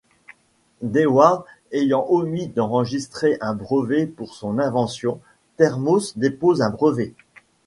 Dewar ayant omis d'enregistrer un brevet pour son invention, Thermos dépose un brevet.